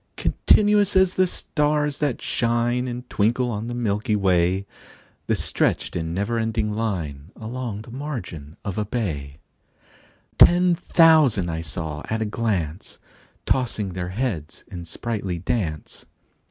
Continuous as the stars that shine And twinkle on the milky way, The stretched in never ending line Along the margin of a bay: Ten thousand saw I at a glance, Tossing their heads in sprightly dance.